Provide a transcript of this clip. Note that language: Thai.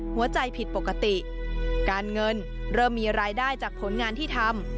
หัวใจผิดปกติการเงินเริ่มมีรายได้จากผลงานที่ทำ